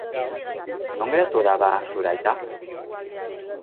Non geratu da, ba, zure aita?